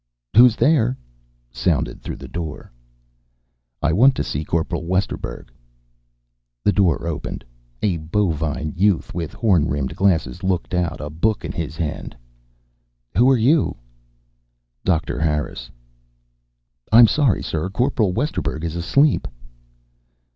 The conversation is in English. "Who's there?" sounded through the door. "I want to see Corporal Westerburg." The door opened. A bovine youth with horn rimmed glasses looked out, a book in his hand. "Who are you?" "Doctor Harris." "I'm sorry, sir. Corporal Westerburg is asleep."